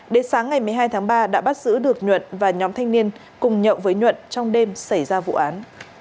đến sáng ngày một mươi hai tháng ba đã bắt giữ được nhuộn và nhóm thanh niên cùng nhậu với nhuận trong đêm xảy ra vụ án